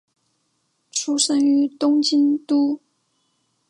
出身于东京都。